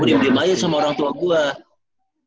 diem diem aja sama orang tua gue